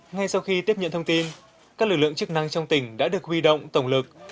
ngay sau khi tiếp nhận thông tin các lực lượng chức năng trong tỉnh đã được huy động tổng lực